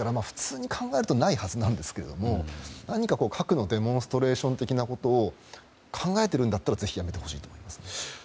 普通に考えるとないはずなんですが何か核のデモンストレーション的なことを考えているならぜひやめてほしいと思います。